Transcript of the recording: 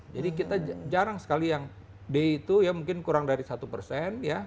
jadi kita jarang sekali yang d itu ya mungkin kurang dari satu persen ya